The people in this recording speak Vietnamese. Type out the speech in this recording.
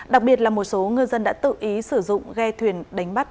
đặc biệt là một số ngư dân đã tự ý sử dụng ghe thuyền đánh bắt